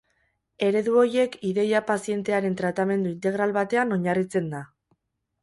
Eredu horiek ideia pazientearen tratamendu integral batean oinarritzen da.